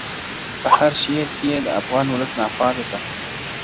په هر شعر کي یې د افغان اولس ناخوالو ته -